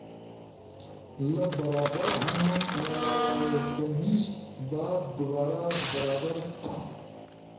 لا برابر ہنُو؟ آکہ نیِش با دُوبارا برابر تھا۔